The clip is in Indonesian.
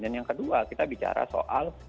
dan yang kedua kita bicara soal